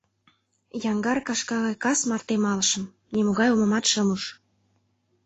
Яҥгар кашка гай кас марте малышым, нимогай омымат шым уж.